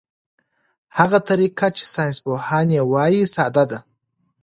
هغه طریقه چې ساینسپوهان یې وايي ساده ده.